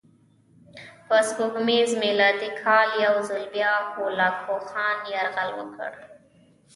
په سپوږمیز میلادي کال یو ځل بیا هولاکوخان یرغل وکړ.